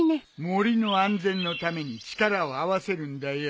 森の安全のために力を合わせるんだよ。